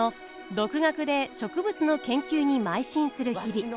独学で植物の研究にまい進する日々。